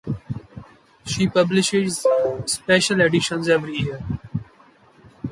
She publishes special editions every year.